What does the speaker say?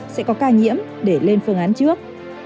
sẽ có ca nhiễm để lên phương án trước